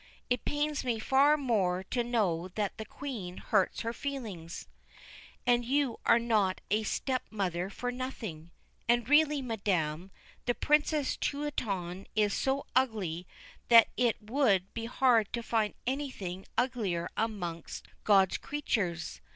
It pains me far more to know that the Queen hurts her feelings, and you are not a step mother for nothing ; and really, madam, the Princess Truitonne is so ugly that it would be hard to find anything uglier amongst God's creatures.